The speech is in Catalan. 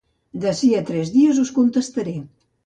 D'ací a tres dies us contestaré.